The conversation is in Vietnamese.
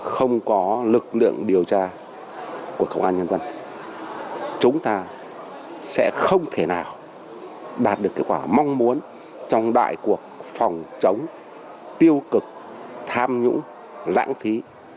không có lực lượng điều tra của công an nhân dân chúng ta sẽ không thể nào đạt được kết quả mong muốn trong đại cuộc phòng chống tiêu cực tham nhũng lãng phí